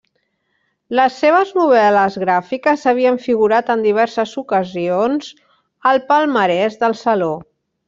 Les seves novel·les gràfiques havien figurat en diverses ocasions al palmarès del Saló.